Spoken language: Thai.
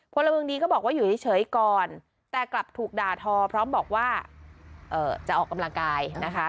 พลเมืองดีก็บอกว่าอยู่เฉยก่อนแต่กลับถูกด่าทอพร้อมบอกว่าจะออกกำลังกายนะคะ